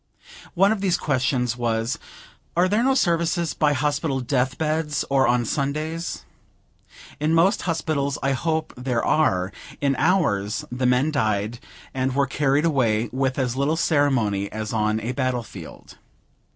One of these questions was, "Are there no services by hospital death beds, or on Sundays?" In most Hospitals I hope there are; in ours, the men died, and were carried away, with as little ceremony as on a battle field.